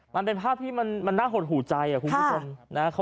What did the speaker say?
มันเป็นภาพที่มันน่าห่วงหูใจครับคุณผู้ชม